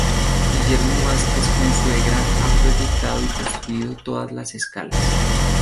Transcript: Guillermo Vázquez Consuegra ha proyectado y construido en todas las escalas.